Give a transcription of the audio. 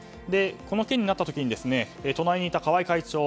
この件になった時に隣にいた、川合会長